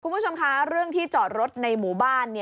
คุณผู้ชมคะเรื่องที่จอดรถในหมู่บ้าน